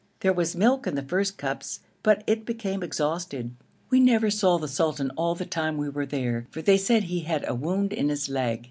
There was milk in the first cups, but it became exhausted. We never saw the sultan all the time we were there, for they said he had a wound in his leg.